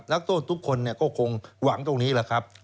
นักโทษทุกคนก็คงหวังตรงนี้แหละครับ